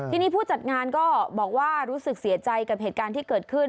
ทีนี้ผู้จัดงานก็บอกว่ารู้สึกเสียใจกับเหตุการณ์ที่เกิดขึ้น